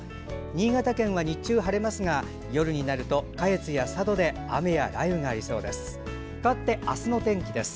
新潟県は日中は晴れますが夜は下越や佐渡で雨や雷雨がありそうです。